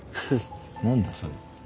何だそれ。